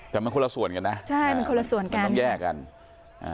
แต่มันคนละส่วนกันนะใช่มันคนละส่วนกันมันแยกกันอ่า